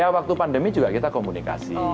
ya waktu pandemi juga kita komunikasi